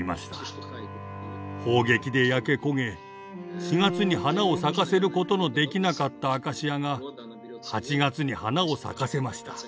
砲撃で焼け焦げ４月に花を咲かせることのできなかったアカシアが８月に花を咲かせました。